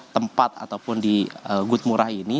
tempat ataupun di gudmura ini